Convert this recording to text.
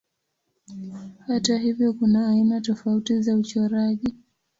Hata hivyo kuna aina tofauti za uchoraji.